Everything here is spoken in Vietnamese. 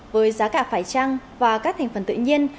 với giá cả phải trăng và các thành phần tự nhiên